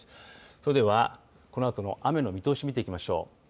それでは、このあとの雨の見通し見ていきましょう。